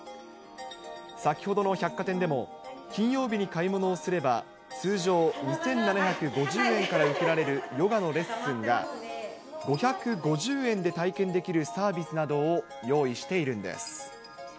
先ほどの百貨店でも、金曜日に買い物をすれば、通常、２７５０円から受けられるヨガのレッスンが、５５０円で体験できるサービスなどを用意しているんです。